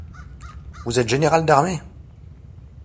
Vous êtes général d'armée !